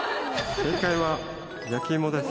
正解は焼き芋です。